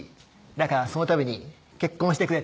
「だからそのために結婚してくれ」